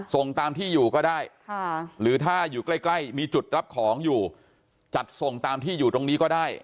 ส่งตามที่อยู่ก็ได้หรือถ้าอยู่ใกล้มีจุดรับของอยู่จัดส่งตามที่อยู่ตรงนี้ก็ได้